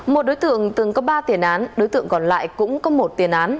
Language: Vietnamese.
một đối tượng từng có ba tiền án đối tượng còn lại cũng có một tiền án